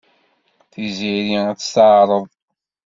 Tiziri ad t-teɛreḍ.